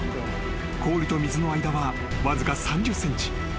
［氷と水の間はわずか３０ｃｍ］